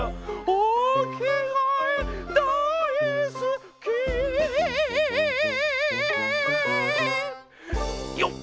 おきがえだいすきよっ！